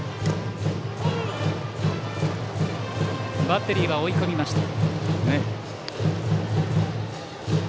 バッテリーは追い込みました。